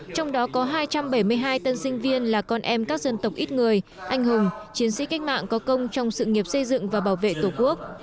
trong đó có hai trăm bảy mươi hai tân sinh viên là con em các dân tộc ít người anh hùng chiến sĩ cách mạng có công trong sự nghiệp xây dựng và bảo vệ tổ quốc